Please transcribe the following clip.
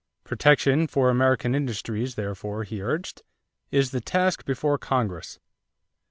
Protection for American industries, therefore, he urged, is the task before Congress.